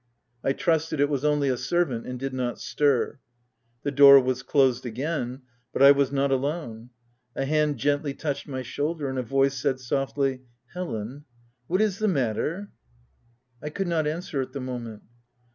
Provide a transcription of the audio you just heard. I trusted it was only a servant, and did not stir. The door was closed again — but I was not alone: a hand gently touched my shoulder, and a voice said, softly —" Helen, what is the matter V 9 I could not answer at the moment.